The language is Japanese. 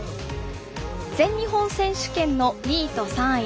全日本選手権の２位と３位。